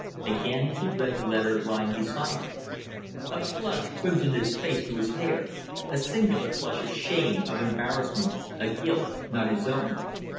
Again he read the letter lying beside him. A flush crimsoned his face to his hair a singular flush of shame, of embarrassment, of guilt a guilt not his own.